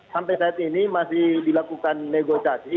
sampai saat ini masih dilakukan negosiasi